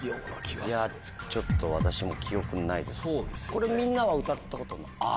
これみんなは歌ったこと。